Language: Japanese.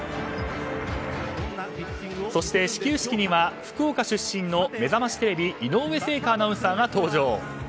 そして、始球式には福岡出身の「めざましテレビ」井上清華アナウンサーが登場。